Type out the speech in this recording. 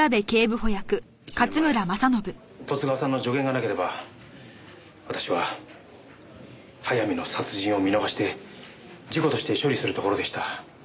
１年前十津川さんの助言がなければ私は早見の殺人を見逃して事故として処理するところでした。